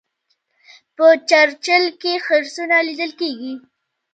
په چرچیل کې خرسونه لیدل کیږي.